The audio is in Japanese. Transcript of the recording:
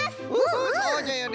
そうじゃよね！